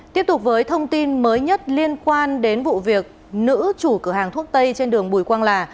tiếp tục với thông tin mới nhất liên quan đến vụ việc nữ chủ cửa hàng thuốc tây trên đường bùi quang là